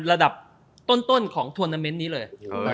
ระดับต้นของทวนาเมนต์นี้เลย